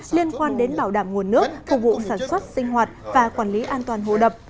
liên quan đến bảo đảm nguồn nước phục vụ sản xuất sinh hoạt và quản lý an toàn hồ đập